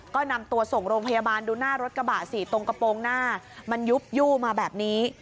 ก็นำตัวส่งโรงพยาบาลดูหน้ารถกระบะสิตรงกระโปรงหน้ามันยุบยู่มาแบบนี้